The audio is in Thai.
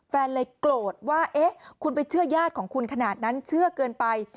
แฟนเลยโกรธว่าเอ๊ะคุณไปเชื่อญาติของคุณขนาดนั้นเชื่อเกินไป